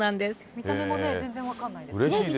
見た目も全然分からないですね。